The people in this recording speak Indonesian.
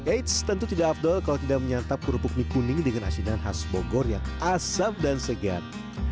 eits tentu tidak afdol kalau tidak menyantap kerupuk mie kuning dengan asinan khas bogor yang asam dan segar